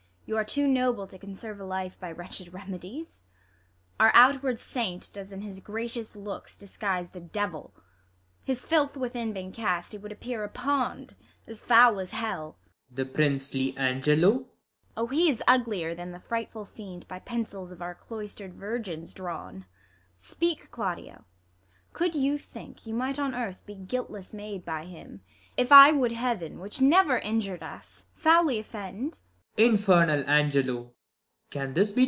You are too noble to conserve a life By wretched remedies. Our outward saint Does in his gracious looks disguise the devil. His filth Avithin being cast, he would appear A pond, as foul as hell. 160 THE LAW AGAINST LOVERS. Claud. The Princely Angelo 1 IsAB. Oh, he is uglier than the frightful fiend By pencils of our cloister'd. virgins drawn. Speak, Claudio, could you think, you might on earth Be guiltless made by him, if I would Heaven, Which never injur'd us, foully offend 1 Claud.